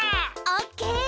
オッケー！